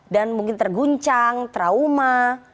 dan mungkin terguncang trauma